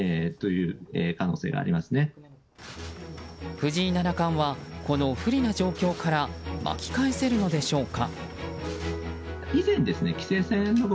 藤井七冠はこの不利な状況から巻き返せるのでしょうか。